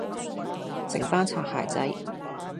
成班擦鞋仔